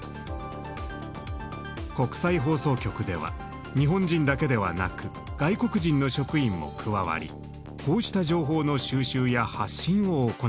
国際放送局では日本人だけではなく外国人の職員も加わりこうした情報の収集や発信を行っています。